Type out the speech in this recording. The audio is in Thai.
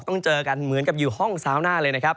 ต้องเจอกันเหมือนกับอยู่ห้องซาวน่าเลยนะครับ